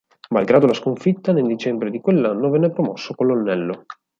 Malgrado la sconfitta, nel dicembre di quell'anno venne promosso colonnello.